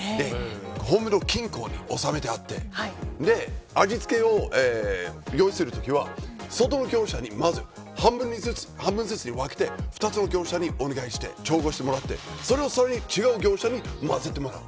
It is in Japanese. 本部の金庫に納めてあって味付けを料理するときは外の業者にまず半分ずつ分けて、２つの業者にお願いして調合してもらってそれを違う業者にまぜてもらう。